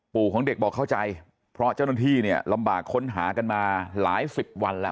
ของเด็กบอกเข้าใจเพราะเจ้าหน้าที่เนี่ยลำบากค้นหากันมาหลายสิบวันแล้ว